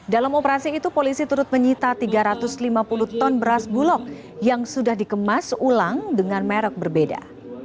dalam operasi itu polisi turut menyita tiga ratus lima puluh ton beras bulog yang sudah dikemas ulang dengan merek berbeda